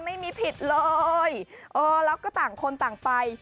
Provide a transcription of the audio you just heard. ไม่มีผิดเลยเออแล้วก็ต่างคนต่างไป